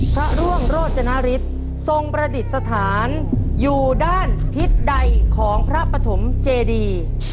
พระร่วงโรจนฤทธิ์ทรงประดิษฐานอยู่ด้านทิศใดของพระปฐมเจดี